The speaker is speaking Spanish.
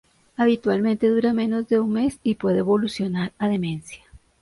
Habitualmente dura menos de un mes y puede evolucionar a demencia.